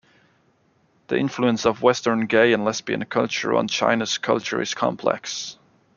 The influence of Western gay and lesbian culture on China's culture is complex.